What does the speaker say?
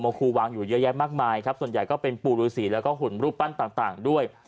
ครูวางอยู่เยอะแยะมากมายครับส่วนใหญ่ก็เป็นปู่ฤษีแล้วก็หุ่นรูปปั้นต่างด้วย